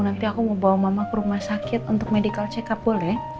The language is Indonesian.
nanti aku mau bawa mama ke rumah sakit untuk medical check up boleh